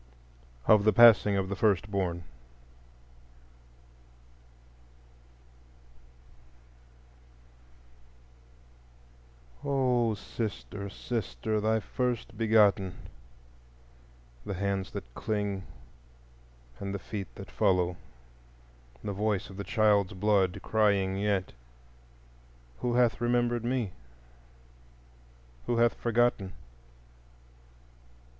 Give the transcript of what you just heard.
Of the Passing of the First Born O sister, sister, thy first begotten, The hands that cling and the feet that follow, The voice of the child's blood crying yet, _Who hath remembered me? who hath forgotten?